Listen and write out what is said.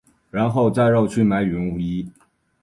然后再绕去买羽绒衣